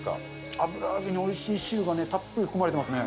油揚げにおいしい汁がたっぷり含まれてますね。